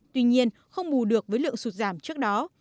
tuy nhiên không bù được với lượng sụt giảm trước đó